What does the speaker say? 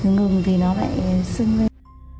ngừng thì nó lại sưng lên